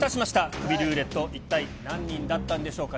クビルーレット、一体何人だったんでしょうか。